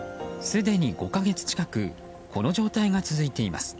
すでに５か月近くこの状態が続いています。